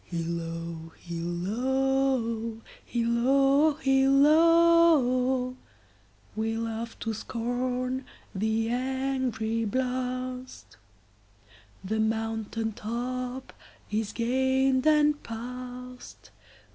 Hilloo, hilloo, hilloo, hilloo! We laugh to scorn the angry blast, The mountain top is gained and past.